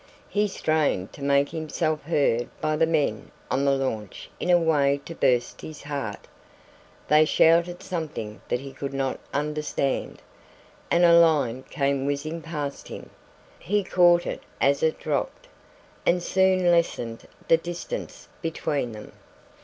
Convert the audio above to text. He strained to make himself heard by the men on the launch in a way to burst his heart. They shouted something that he could not understand, and a line came whizzing past him. He caught it as it dropped, and soon lessened the distance between them.